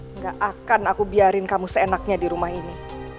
enggak akan aku biarin kamu seenaknya di rumah ini